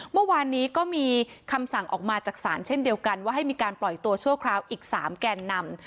เมื่อวานนี้ก็มีคำสั่งออกมาจากศาลเช่นเดียวกันว่าให้มีการปล่อยตัวชั่วคราวอีก๓แกนนำ